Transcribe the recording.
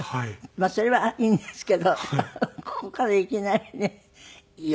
まあそれはいいんですけどここからいきなりね「よく食うね」